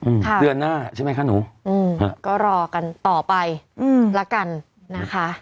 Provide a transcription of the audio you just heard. อืมค่ะเดือนหน้าใช่ไหมคะหนูอืมฮะก็รอกันต่อไปอืมละกันนะคะ